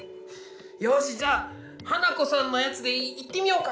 よしじゃあハナコさんのやつでいってみようか。